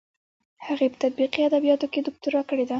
هغې په تطبیقي ادبیاتو کې دوکتورا کړې ده.